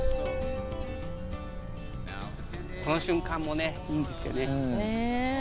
この瞬間もねいいんですよねねぇ